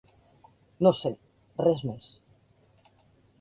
No sé, res més.